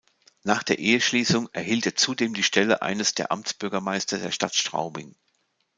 Nach der Eheschließung erhielt er zudem die Stelle eines der Amtsbürgermeister der Stadt Straubing.